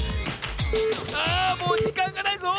あもうじかんがないぞ！